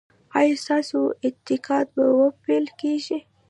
ایا ستاسو انتقاد به وپل کیږي؟